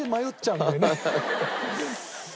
うん。